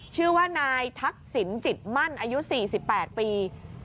ชื่อว่านายทักษิณจิตมั่นอายุ๔๘ปี